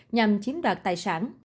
nhằm chiếm đoạt tài sản